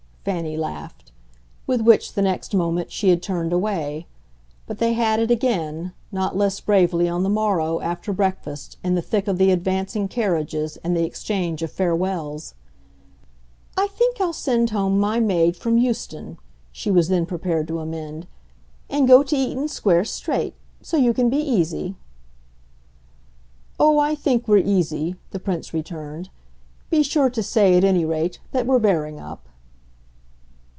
Fanny laughed; with which, the next moment, she had turned away. But they had it again, not less bravely, on the morrow, after breakfast, in the thick of the advancing carriages and the exchange of farewells. "I think I'll send home my maid from Euston," she was then prepared to amend, "and go to Eaton Square straight. So you can be easy." "Oh, I think we're easy," the Prince returned. "Be sure to say, at any rate, that we're bearing up."